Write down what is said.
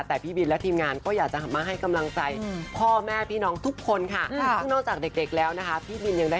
แต่พี่บินและทีมงานก็อยากจะมาให้กำลังใจ